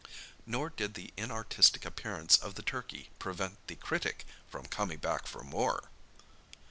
Nor did the inartistic appearance of the turkey prevent the critic from coming back for more!